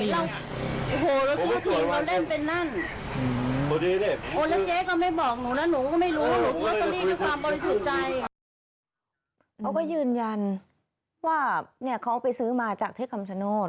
แล้วก็ยืนยันว่าเขาเอาไปซื้อมาจากเทคคำชะโน้น